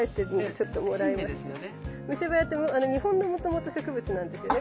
ミセバヤって日本のもともと植物なんですよね。